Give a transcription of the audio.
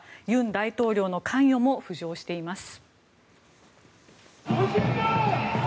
尹大統領の関与も浮上しています。